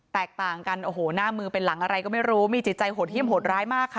แตกต่างกันโอ้โหหน้ามือเป็นหลังอะไรก็ไม่รู้มีจิตใจโหดเยี่ยมโหดร้ายมากค่ะ